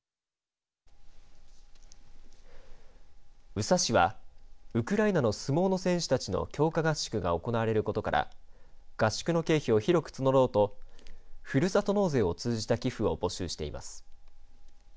宇佐市は、ウクライナの相撲の選手たちの強化合宿が行われることから合宿の経費を広く募ろうとふるさと納税を通じた寄付を募集しています。